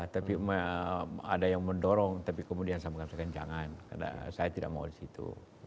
tapi ada yang mendorong tapi kemudian saya mengatakan jangan karena saya tidak mau di situ